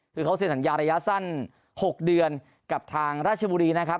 คือเขาเซ็นสัญญาระยะสั้น๖เดือนกับทางราชบุรีนะครับ